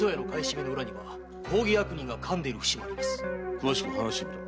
詳しく話してみろ。